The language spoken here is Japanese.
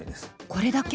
これだけ？